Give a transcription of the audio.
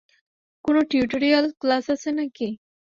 কোনো tutorial class আছে নাকি?